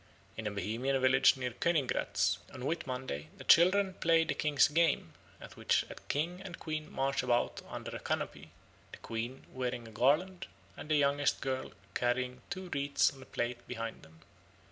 In a Bohemian village near Königgrätz on Whit Monday the children play the king's game, at which a king and queen march about under a canopy, the queen wearing a garland, and the youngest girl carrying two wreaths on a plate behind them.